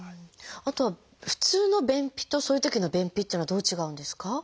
あとは普通の便秘とそういうときの便秘っていうのはどう違うんですか？